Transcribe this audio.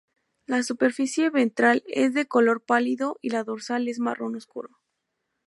La superficie ventral es de color pálido y la dorsal es marrón oscuro.